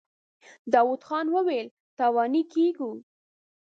داوود خان وويل: تاواني کېږو.